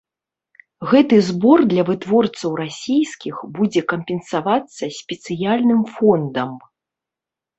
Гэты збор для вытворцаў расійскіх будзе кампенсавацца спецыяльным фондам.